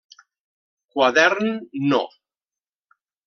Quadern no.